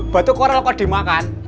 batu koral kok dimakan